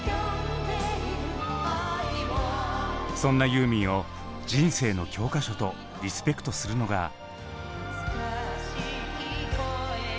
そんなユーミンを「人生の教科書」とリスペクトするのが。